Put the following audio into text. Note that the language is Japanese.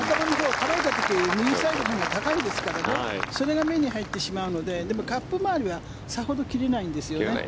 右サイドのほうが高いですからそれが目に入ってしまうのででも、カップ周りはさほど切れないんですよね。